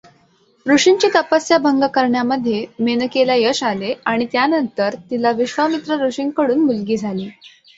ऋषींची तपस्या भंग करण्यामधे मेनकेला यश आले आणि त्यानंतर तिला विश्वामित्र ऋषींकडून मुलगी झाली.